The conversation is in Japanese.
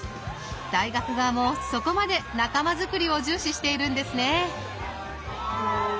大学側もそこまで仲間づくりを重視しているんですね。